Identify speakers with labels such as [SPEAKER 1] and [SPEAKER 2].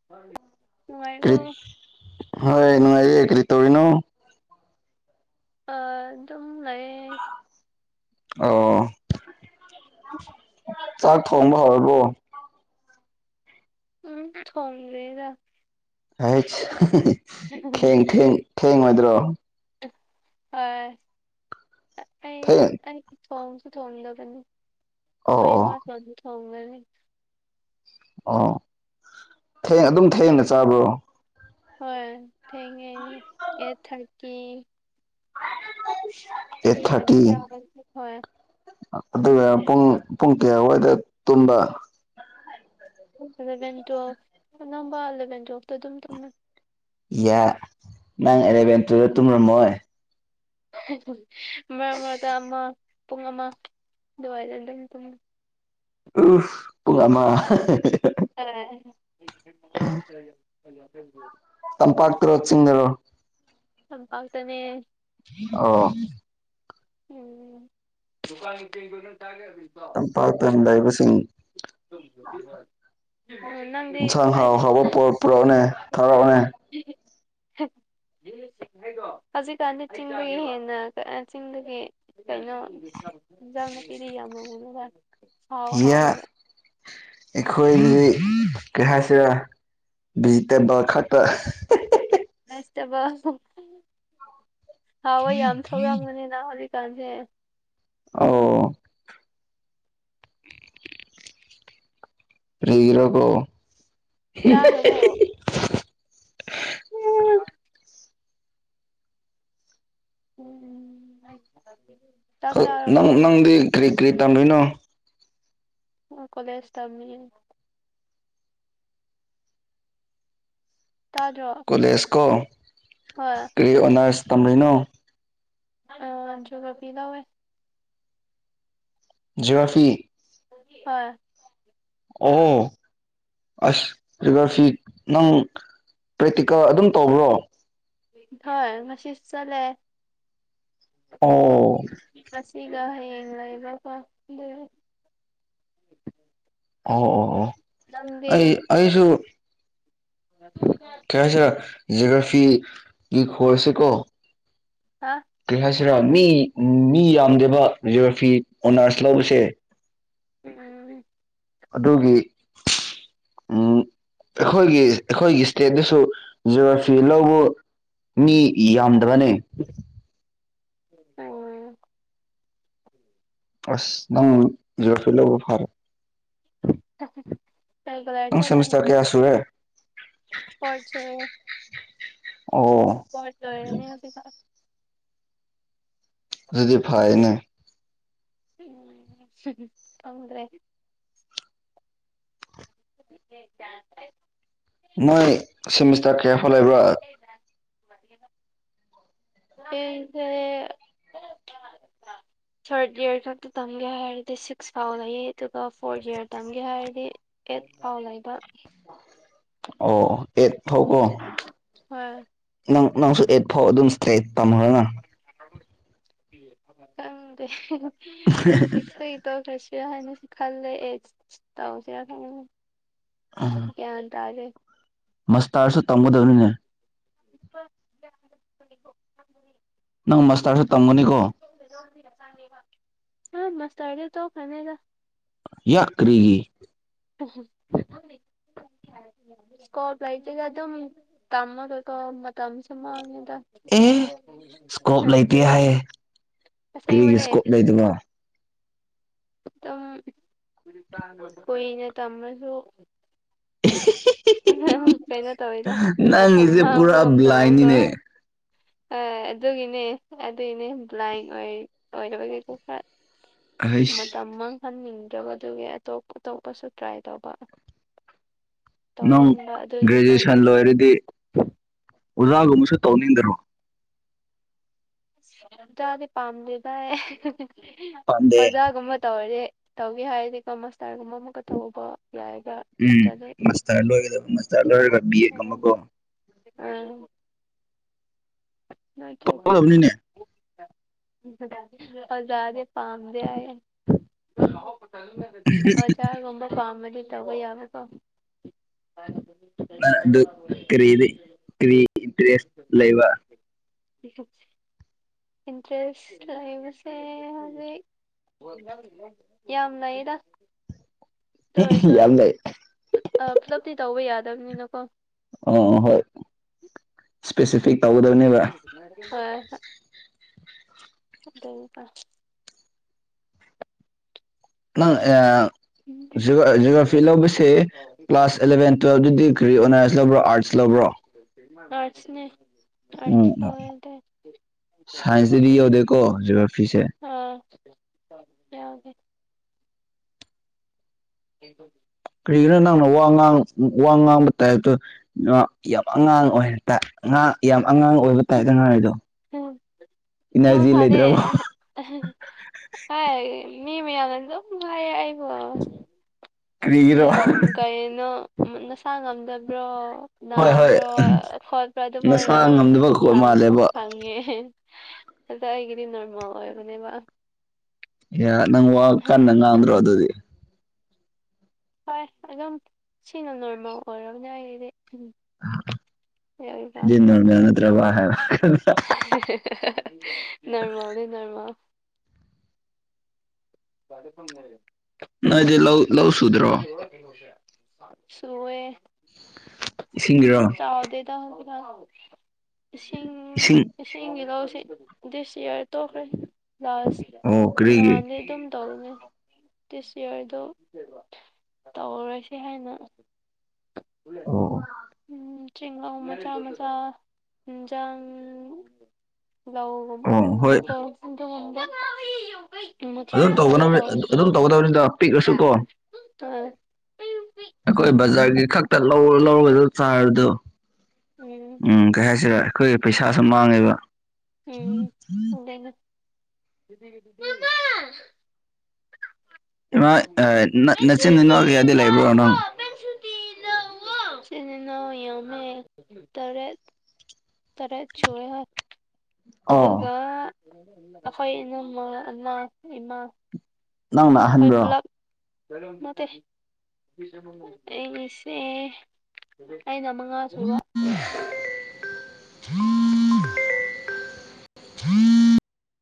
[SPEAKER 1] [unintelligible] ꯅꯨꯡꯉꯥꯏꯔꯤꯕꯣ
[SPEAKER 2] ꯀ꯭ꯔꯤ ꯍꯣꯏ ꯅꯨꯡꯉꯥꯏꯌ‌ꯦ ꯀ꯭ꯔꯤ ꯇꯧꯔꯤꯅꯣ
[SPEAKER 1] ꯑꯥ ꯑꯗꯨꯝ ꯂꯩ
[SPEAKER 2] ꯑꯣ ꯆꯥꯛ ꯊꯣꯡꯕ ꯍꯧꯔꯕꯣ
[SPEAKER 1] ꯎꯝ ꯊꯣꯡꯗꯔꯤꯗ
[SPEAKER 2] ꯑꯩꯁ ꯊꯦꯡ ꯊꯦꯡ ꯊꯦꯡꯂ‌ꯣꯏꯗ꯭ꯔꯣ
[SPEAKER 1] ꯑꯣꯏ ꯑꯥ ꯑꯩ
[SPEAKER 2] ꯊꯦꯡ
[SPEAKER 1] ꯑꯩ ꯊꯣꯡꯁꯨ ꯊꯣꯡꯂꯒꯅꯤ
[SPEAKER 2] ꯑꯣ
[SPEAKER 1] ꯑꯩꯈꯣꯏ
[SPEAKER 2] ꯑꯣ
[SPEAKER 1] ꯏꯃꯁꯨ ꯍꯩꯖꯤꯛ ꯊꯣꯡꯒꯅꯤ
[SPEAKER 2] ꯑꯣ ꯊꯦꯡ ꯑꯗꯨꯝ ꯊꯦꯡꯅ ꯆꯥꯕ꯭ꯔꯣ
[SPEAKER 1] ꯍꯣꯏ ꯊꯦꯡꯉꯦ ꯑꯩꯠ ꯊꯥꯔꯇꯤ
[SPEAKER 2] ꯑꯩꯠ
[SPEAKER 1] ꯑꯗꯨꯋꯥꯏꯗ
[SPEAKER 2] ꯊꯥꯔꯇꯤ
[SPEAKER 1] ꯆꯥꯒꯅꯤ ꯍꯣꯏ
[SPEAKER 2] ꯑꯗꯨꯒ ꯄꯨꯡ ꯄꯨꯡ ꯀꯌꯥꯋꯥꯏꯗ ꯇꯨꯝꯕ
[SPEAKER 1] ꯑꯦꯂꯚꯦꯟ ꯇꯨꯌꯦꯜꯐ ꯑꯅꯝꯕ ꯑꯦꯂꯚꯦꯟ ꯇꯨꯌꯦꯜꯐꯇ ꯑꯗꯨꯝ ꯇꯨꯝꯃꯦ
[SPEAKER 2] ꯏꯌꯥ ꯅꯪ ꯑꯦꯂꯚꯦꯟ ꯇꯨꯌꯦꯜꯐꯇ ꯇꯨꯝꯔꯝꯃꯣꯏ
[SPEAKER 1] ꯃꯔꯛ ꯃꯔꯛꯇ ꯑꯃ ꯄꯨꯡ ꯑꯃ ꯑꯗꯨꯋꯥꯏꯗ ꯑꯗꯨꯝ ꯇꯨꯝ
[SPEAKER 2] ꯑꯨꯞ ꯄꯨꯡ ꯑꯃ ꯇꯝꯄꯥꯛꯇꯔꯣ ꯆꯤꯡꯗꯔꯣ
[SPEAKER 1] [inaudible] ꯇꯝꯄꯥꯛꯇꯅꯦ
[SPEAKER 2] ꯑꯣ
[SPEAKER 1] ꯎꯝ ꯗꯨꯀꯥꯟꯒ [unintelligible]
[SPEAKER 2] ꯇꯝꯄꯥꯛꯇ ꯂꯩꯕꯁꯤꯡ
[SPEAKER 1] [unintelligible] ꯅꯪꯗꯤ
[SPEAKER 2] ꯏꯟꯁꯥꯡ
[SPEAKER 1] ꯀꯥꯏ
[SPEAKER 2] ꯍꯥꯎ
[SPEAKER 1] ꯂꯩꯒꯦ
[SPEAKER 2] ꯍꯧꯕ ꯄꯨꯔꯛꯄꯔ‌ꯣꯅꯦ ꯊꯥꯔꯛꯑꯣꯅꯦ
[SPEAKER 1] [unintelligible] ꯍꯧꯖꯤꯛꯀꯥꯟꯗꯤ ꯆꯤꯡꯗꯒꯤ ꯍꯦꯟꯅ ꯑꯥ ꯆꯤꯡꯗꯒꯤ ꯀꯩꯅꯣ ꯏꯟꯁꯥꯡ ꯅꯄꯤꯗꯤ ꯌꯥꯝ [unintelligible] ꯍꯥꯎ ꯍꯥꯎ
[SPEAKER 2] ꯑꯩꯈꯣꯏꯒꯤꯗꯤ ꯀꯩ ꯍꯥꯏꯁꯤꯔ ꯚꯤꯖꯤꯇꯦꯕꯜ ꯈꯛꯇ
[SPEAKER 1] ꯚꯦꯁꯇꯦꯕꯜ ꯍꯥꯎꯋ‌ꯦ ꯌꯥꯝ ꯊꯣꯛꯔꯝꯃꯅꯤꯅ ꯍꯧꯖꯤꯛꯀꯥꯟꯁꯦ
[SPEAKER 2] ꯑꯣ ꯀꯔꯒꯤꯔ ꯀꯣ
[SPEAKER 1] ꯆꯥꯈ꯭ꯔꯕꯣ ꯀꯥꯟ [unintelligible] ꯎꯝ ꯍꯥꯏ [unintelligible]
[SPEAKER 2] ꯅꯪ ꯅꯪꯗꯤ ꯀꯔꯤ ꯀꯔꯤ ꯇꯝꯗꯣꯏꯅꯣ
[SPEAKER 1] ꯀꯣꯂꯦꯖ ꯇꯝꯃꯤꯌ‌ꯦ ꯇꯥꯗꯔ‌ꯣ
[SPEAKER 2] ꯀꯂꯦꯁꯀꯣ ꯀꯔꯤ ꯑꯣꯅꯔꯁ ꯇꯝꯔꯤꯅꯣ
[SPEAKER 1] ꯑ ꯖꯤꯑ‌ꯣꯒꯔꯥꯐꯤ ꯂꯧꯌ‌ꯦ
[SPEAKER 2] ꯖꯔꯐꯤ
[SPEAKER 1] ꯍꯣꯏ
[SPEAKER 2] ꯑꯣ ꯑꯁ ꯖꯌꯣꯒ꯭ꯔꯥꯐꯤ
[SPEAKER 1] ꯎꯝ
[SPEAKER 2] ꯅꯪ ꯄ꯭ꯔꯦꯛꯇꯤꯀꯦꯜ ꯑꯗꯨꯝ ꯇꯧꯕ꯭ꯔꯣ
[SPEAKER 1] ꯏꯝꯐꯥꯜ ꯉꯁꯤ ꯆꯠꯂꯦ
[SPEAKER 2] ꯑꯣ
[SPEAKER 1] ꯉꯁꯤꯒ ꯍꯌꯦ ꯂꯩꯕꯀꯣ
[SPEAKER 2] ꯑꯣ ꯑꯣ ꯑꯣ
[SPEAKER 1] ꯅꯪꯗꯤ
[SPEAKER 2] ꯑꯩ ꯑꯩꯁꯨ ꯀꯔꯤ ꯍꯥꯏ ꯁꯥꯔ ꯖꯤꯒ꯭ꯔꯥꯐꯤꯒꯤ ꯀꯣꯔꯁꯁꯤ ꯀꯣ
[SPEAKER 1] ꯑꯥ
[SPEAKER 2] ꯀꯩ ꯍꯥꯏꯁꯤꯔꯥ ꯃꯤ ꯃꯤ ꯌꯥꯝꯗꯦꯕ ꯖꯤꯑꯣꯒ꯭ꯔꯥꯐꯤ ꯑꯣꯅꯔꯁ ꯂꯧꯕꯁꯦ
[SPEAKER 1] ꯎꯝ
[SPEAKER 2] ꯑꯗꯨꯒꯤ ꯎꯝ ꯑꯩꯈꯣꯏꯒꯤ ꯑꯩꯈꯣꯏꯒꯤ ꯁꯇꯦꯠꯇꯁꯨ ꯖꯤꯑꯣꯒ꯭ꯔꯥꯐꯤ ꯂꯧꯕ ꯃꯤ ꯌꯥꯝꯗꯕꯅꯦ
[SPEAKER 1] ꯎꯝ
[SPEAKER 2] ꯑꯁ ꯅꯪ ꯖꯤꯌꯣꯒ꯭ꯔꯥꯐꯤ ꯂꯧꯕ ꯐꯥꯔꯦ
[SPEAKER 1] [inaudible] [unintelligible] ꯔꯦꯒꯨꯂꯔ
[SPEAKER 2] ꯅꯪ ꯁꯦꯃꯤꯁꯇꯔ ꯀꯌꯥ ꯁꯨꯔꯦ
[SPEAKER 1] ꯐ꯭ꯔꯣꯠ ꯁꯨꯔꯦ
[SPEAKER 2] ꯑꯣ
[SPEAKER 1] [unintelligible] ꯂꯔꯅꯦ
[SPEAKER 2] ꯑꯗꯨꯗꯤ ꯐꯥꯏꯅꯦ
[SPEAKER 1] ꯎꯝ ꯈꯪꯗ꯭ꯔꯦ ꯌꯥ [unintelligible]
[SPEAKER 2] ꯅꯣꯏ ꯁꯤꯃꯤꯁꯇꯔ ꯀꯌꯥ ꯐꯧ ꯂꯩꯕ꯭ꯔꯥ
[SPEAKER 1] ꯂꯩꯗ [unintelligible] ꯑꯗꯨꯑꯣ ꯅ [unintelligible] ꯏ ꯏꯁ [unintelligible] ꯊꯥꯔꯠ ꯌꯥꯔ ꯈꯛꯇ ꯇꯝꯒꯦ ꯍꯥꯏꯔꯗꯤ ꯁꯤꯛꯁ ꯐꯥꯎ ꯂꯩꯌꯦ ꯑꯗꯨꯒ ꯐꯣꯔꯠ ꯌꯥꯔ ꯇꯝꯒꯦ ꯍꯥꯏꯔꯗꯤ ꯑꯦꯠ ꯐꯥꯎ ꯂꯩꯕ
[SPEAKER 2] ꯑꯣ ꯑꯦꯠ ꯐꯥꯎ ꯀꯣ
[SPEAKER 1] ꯍꯣꯏ
[SPEAKER 2] ꯅꯪ ꯅꯪꯁꯨ ꯑꯦꯠ ꯐꯥꯎ ꯑꯗꯨꯝ ꯁꯇ꯭ꯔꯦꯠ
[SPEAKER 1] ꯈꯪꯗꯦ ꯁꯤꯁ ꯇꯧꯈꯔꯁꯤꯔ ꯍꯥꯏꯅꯁꯨ ꯈꯜꯂꯦ ꯑꯦꯠ ꯇꯧꯁꯤꯔꯥ ꯈꯜꯂꯦ
[SPEAKER 2] ꯎꯝ
[SPEAKER 1] ꯒꯌꯥꯟ ꯇꯥꯗꯦ
[SPEAKER 2] ꯃꯁꯇꯥꯔꯁꯨ ꯇꯝꯒꯗꯕꯅꯤꯅꯦ
[SPEAKER 1] ꯅꯤ [unintelligible]
[SPEAKER 2] ꯅꯪ ꯃꯁꯇꯥꯔꯁꯨ ꯇꯝꯒꯅꯤꯀꯣ
[SPEAKER 1] ꯍꯥ ꯃꯁꯇꯔꯗꯤ ꯇꯣꯛꯈꯔꯅꯤꯗ
[SPEAKER 2] ꯌꯥ ꯀꯔꯤꯒꯤ
[SPEAKER 1] ꯑꯍꯝ ꯁꯀꯣꯜꯄ ꯂꯥꯏꯇꯦꯗ ꯑꯗꯨꯝ ꯇꯝꯃꯥꯒꯀꯣ ꯃꯇꯝꯁꯨ ꯃꯥꯡꯉꯤꯗ
[SPEAKER 2] ꯑꯦ ꯏꯁꯀꯣꯞ ꯂꯩꯇꯦ
[SPEAKER 1] ꯑꯩꯈꯪꯗꯦ ꯑꯁꯦꯡꯃꯅꯦ
[SPEAKER 2] ꯂꯩꯗꯨꯕ
[SPEAKER 1] ꯇꯨꯝ ꯀꯨꯏꯅ ꯇꯝꯃꯁꯨ
[SPEAKER 2] ꯎ
[SPEAKER 1] ꯀꯩꯅꯣ ꯇꯧꯋꯤꯗ ꯃꯇꯝ
[SPEAKER 2] ꯅꯪꯒꯤꯁꯦ ꯄꯨꯔꯥ
[SPEAKER 1] ꯃꯥꯡꯕꯒꯨꯝ ꯇꯧꯕꯀꯣ
[SPEAKER 2] ꯕ꯭ꯂꯥꯏꯟꯅꯤꯅꯦ
[SPEAKER 1] ꯑꯗꯨꯒꯤꯅꯦ ꯑꯗꯨꯒꯤꯅꯦ ꯕ꯭ꯂꯥꯏꯟ ꯑꯣꯏ ꯑꯣꯏꯔꯕ ꯀꯩꯀ ꯈꯔ
[SPEAKER 2] ꯑꯩꯁ
[SPEAKER 1] ꯃꯇꯝ ꯃꯥꯡꯍꯟꯅꯤꯡꯗꯔꯕ ꯗꯨꯒꯤ ꯑꯇꯣꯞ ꯑꯇꯣꯞꯄꯁꯨ ꯇ꯭ꯔꯥꯏ ꯇꯧꯕ
[SPEAKER 2] ꯅꯪ
[SPEAKER 1] ꯇꯧꯅꯤꯡꯕ ꯑꯗꯨꯒꯤꯀꯣ
[SPEAKER 2] ꯒ꯭ꯔꯦꯖꯨꯑꯦꯁꯟ ꯂꯣꯏꯔꯗꯤ ꯑꯣꯖꯥꯒꯨꯝꯕꯁꯨ ꯇꯧꯅꯤꯡꯗ꯭ꯔꯣ
[SPEAKER 1] ꯑꯣꯖꯥꯗꯤ ꯄꯥꯝꯗꯦ ꯚꯥꯏ
[SPEAKER 2] ꯄꯥꯝꯗꯦ
[SPEAKER 1] ꯑꯣꯖꯥꯒꯨꯝꯕ ꯇꯧꯔꯗꯤ ꯇꯧꯒꯦ ꯍꯥꯏꯔꯗꯤꯀꯣ ꯃꯁꯇꯥꯔꯒꯨꯝꯕ ꯑꯃꯀ ꯇꯍꯧꯕ ꯌꯥꯏꯕ
[SPEAKER 2] ꯎꯝ
[SPEAKER 1] ꯅꯠꯇ꯭ꯔꯗꯤ
[SPEAKER 2] ꯃꯥꯁꯇꯔ ꯂꯣꯏꯒꯗꯕ ꯃꯥꯁꯇꯔ ꯂꯣꯏꯔꯒ ꯕꯤ ꯑꯦꯗꯒ ꯑꯃꯀꯣ
[SPEAKER 1] ꯑꯪ ꯅꯣꯏꯇꯔꯗꯤ
[SPEAKER 2] ꯇꯧꯗꯕꯅꯤꯅꯦ
[SPEAKER 1] [unintelligible] ꯑꯣꯖꯥꯗꯤ ꯄꯥꯝꯗꯦ ꯍꯥꯏꯌꯦ ꯑꯣꯖꯥꯒꯨꯝꯕ ꯄꯥꯝꯃꯗꯤ ꯇꯧꯕ ꯌꯥꯕꯀꯣ
[SPEAKER 2] ꯅꯪ ꯑꯗꯨ ꯀꯔꯤꯗꯤ ꯀꯔꯤ ꯏꯟꯇꯔꯦꯁ ꯂꯩꯕ
[SPEAKER 1] ꯏꯟꯇꯔꯦꯁ ꯂꯩꯕꯁꯦ ꯍꯧꯖꯤꯛ ꯌꯥꯝ ꯂꯩꯗ ꯇꯨ ꯑꯣꯏꯔꯁꯣꯏ
[SPEAKER 2] ꯌꯥꯝ ꯂꯩ
[SPEAKER 1] ꯑ ꯄꯨꯂꯞꯇꯤ ꯇꯧꯕ ꯌꯥꯗꯕꯅꯤꯅꯀꯣ
[SPEAKER 2] ꯑ ꯍꯣꯏ ꯏꯁꯄꯦꯁꯤꯐꯤꯛ ꯇꯧꯒꯗꯕꯅꯦꯕ
[SPEAKER 1] ꯍꯣꯏ ꯍꯣꯏ [unintelligible]
[SPEAKER 2] ꯅꯪ ꯑꯦ ꯖꯤꯕ ꯑ ꯖꯤꯑꯣꯒ꯭ꯔꯥꯐꯤ ꯂꯧꯕꯁꯦ ꯀ꯭ꯂꯥꯁ ꯑꯦꯂꯚꯦꯟ ꯇꯨꯋꯦꯜꯕꯇꯗꯤ ꯀ꯭ꯔꯤ ꯑꯣꯅꯔꯁ ꯂꯧꯕ꯭ꯔꯣ ꯑꯥꯔꯠꯁ ꯂꯧꯕ꯭ꯔꯣ
[SPEAKER 1] ꯑꯥꯔꯁꯅꯦ
[SPEAKER 2] ꯎꯝ ꯑꯣ ꯁꯥꯏꯟꯁꯇꯗꯤ ꯌꯧꯗꯦꯀꯣ ꯖꯤꯑꯣꯒ꯭ꯔꯥꯐꯤꯁꯦ
[SPEAKER 1] ꯑ ꯌꯥꯎꯗꯦ [inaudible]
[SPEAKER 2] ꯀꯔꯤꯒꯤꯅꯣ ꯅꯪꯅ ꯋꯥ ꯉꯥꯡ ꯋꯥ ꯉꯥꯡꯕ ꯇꯥꯏꯞꯇ ꯉꯥ ꯌꯥꯝ ꯑꯉꯥꯡ ꯑꯣꯏꯔꯇꯥꯏ ꯉꯥ ꯌꯥꯝ ꯑꯉꯥꯡ ꯑꯣꯏꯕ ꯇꯥꯏꯇ ꯉꯥꯏꯔꯗꯣ ꯏꯅꯔꯖꯤ
[SPEAKER 1] ꯃꯍꯧꯁꯥꯅꯦ
[SPEAKER 2] ꯂꯩꯇ꯭ꯔꯕꯣ
[SPEAKER 1] ꯍꯥꯏ ꯃꯤ ꯃꯌꯥꯝꯅ ꯑꯗꯨꯝ ꯍꯥꯏ ꯑꯩꯕꯣ
[SPEAKER 2] ꯀꯔꯤꯒꯤꯔꯣ
[SPEAKER 1] ꯌꯥꯝ ꯀꯩꯅꯣ ꯎꯝ ꯅꯁꯥ ꯉꯝꯗꯕ꯭ꯔꯣ
[SPEAKER 2] ꯍꯣꯏ ꯍꯣꯏ
[SPEAKER 1] ꯅꯥꯕꯔꯣ ꯈꯣꯠꯄꯔꯣ ꯑꯗꯨꯃꯥꯏꯅ
[SPEAKER 2] ꯅꯁꯥ ꯉꯝꯗꯕ ꯈꯣꯠ
[SPEAKER 1] ꯁꯥꯡꯀꯨꯞ
[SPEAKER 2] ꯃꯥꯜꯂꯦꯕ
[SPEAKER 1] ꯐꯪꯉꯦ ꯑꯗ ꯑꯩꯒꯤꯗꯤ ꯅꯣꯔꯃꯦꯜ ꯑꯣꯏꯕꯅꯦꯕ
[SPEAKER 2] ꯌꯥ ꯅꯪ ꯋꯥ ꯀꯟꯅ ꯉꯥꯡꯗ꯭ꯔꯣ ꯑꯗꯨꯗꯤ
[SPEAKER 1] ꯍꯣꯏ ꯑꯗꯨꯝ ꯁꯤꯅ ꯅꯣꯔꯃꯦꯜ ꯑꯣꯏꯔꯕꯅꯤ ꯑꯩꯗꯤ ꯎꯝ ꯌꯥꯔꯤ ꯀ
[SPEAKER 2] ꯗꯤ ꯅꯣꯔꯃꯦꯜ ꯅꯠꯇ꯭ꯔꯕ ꯍꯥꯏꯕ
[SPEAKER 1] [unintelligible] ꯅꯣꯔꯃꯦꯜꯅꯤ ꯅꯔꯃꯜ
[SPEAKER 2] ꯅꯣꯏꯗꯤ ꯂꯧ ꯂꯧ ꯁꯨꯗ꯭ꯔꯣ
[SPEAKER 1] [inaudible] ꯁꯣꯔꯑꯦ ꯑꯗꯨ
[SPEAKER 2] ꯏꯁꯤꯡꯒꯤꯔꯣ
[SPEAKER 1] ꯆꯥꯎꯗꯦ ꯇꯥꯡꯍꯤꯗꯥꯛ ꯇꯁꯤꯡ
[SPEAKER 2] ꯏꯁꯤꯡ
[SPEAKER 1] ꯏꯁꯤꯡꯒꯤ ꯂꯧꯁꯤ ꯗꯤꯁ ꯏꯌꯥꯔ ꯇꯣꯛꯈ꯭ꯔꯦ ꯂꯥꯁ
[SPEAKER 2] ꯑꯣ ꯀꯔꯤꯒꯤ
[SPEAKER 1] ꯅꯍꯥꯟꯗꯤ ꯑꯗꯨꯝ ꯇꯧꯅꯦ ꯗꯤꯁ ꯏꯌꯥꯔꯗꯣ ꯇꯧꯔꯁꯦ ꯍꯥꯏꯅ
[SPEAKER 2] ꯑꯣ
[SPEAKER 1] ꯎꯝ ꯆꯦꯡꯒꯥꯎ ꯃꯆꯥ ꯃꯆꯥ ꯏꯟꯖꯥꯡ ꯂꯧꯒꯨꯝ
[SPEAKER 2] ꯑꯣ ꯍꯣꯏ
[SPEAKER 1] ꯎꯝꯕꯀꯣ ꯑꯗꯨꯒꯨꯝꯕ [inaudible] ꯃꯆꯥ
[SPEAKER 2] ꯑꯗꯨꯝ
[SPEAKER 1] ꯃꯆꯥꯗꯤ
[SPEAKER 2] ꯇꯧꯒꯗꯕꯅꯤ
[SPEAKER 1] ꯇꯧꯏ
[SPEAKER 2] ꯑꯗꯨꯝ ꯇꯧꯒꯗꯕꯅꯤꯗ ꯄꯤꯛꯂꯁꯨ ꯀꯣ
[SPEAKER 1] [inaudible]
[SPEAKER 2] ꯑꯩꯈꯣꯏ ꯕꯖꯥꯔꯒꯤ ꯈꯛꯇ ꯂꯧꯔ ꯂꯧꯔꯒꯗ ꯆꯥꯔꯗꯣ
[SPEAKER 1] ꯎꯝ [unintelligible]
[SPEAKER 2] ꯎꯝ ꯀꯩ ꯍꯥꯏꯁꯤꯔ ꯑꯩꯈꯣꯏꯒꯤ ꯄꯩꯁꯥꯁꯨ ꯃꯥꯡꯉꯦꯕ
[SPEAKER 1] ꯃꯥꯝꯃꯥ [unintelligible]
[SPEAKER 2] ꯏꯃꯥ
[SPEAKER 1] [unintelligible] ꯅꯪ
[SPEAKER 2] ꯅꯆꯤꯟ ꯅꯅꯥꯎ ꯀꯌꯥꯗꯤ ꯂꯩꯕ꯭ꯔꯣ ꯅꯪ
[SPEAKER 1] ꯁꯨꯇꯤ ꯂꯧꯑꯣ ꯏꯆꯤꯟ ꯏꯅꯥꯎ ꯌꯥꯝꯃꯦ ꯇꯔꯦꯠ ꯇꯔꯦꯠ ꯁꯨꯑꯦ ꯍꯣꯏ
[SPEAKER 2] ꯑꯣ
[SPEAKER 1] ꯑꯗꯨꯒ ꯑꯩꯈꯣꯏ ꯏꯟꯅꯝꯃ ꯑꯉꯥꯡ ꯏꯃꯥ
[SPEAKER 2] ꯅꯪꯅ
[SPEAKER 1] ꯈꯣꯏ
[SPEAKER 2] ꯑꯍꯟꯕ꯭ꯔꯣ
[SPEAKER 1] ꯄꯨꯂꯞ ꯅꯠꯇ‌ꯦ ꯑꯩꯁꯦ ꯑꯩꯅ ꯃꯉꯥ ꯁꯨꯕ
[SPEAKER 2] ꯍ [unintelligible]
[SPEAKER 1] ꯍ [inaudible]
[SPEAKER 2] ꯍꯝ [inaudible]